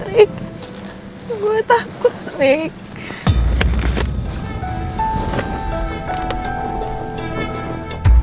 la perutnya sakit rick